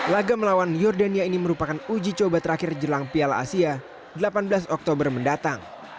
laga melawan jordania ini merupakan uji coba terakhir jelang piala asia delapan belas oktober mendatang